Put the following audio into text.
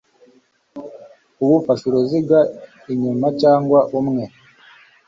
Uwufashe uruziga inyuma cyangwa umwe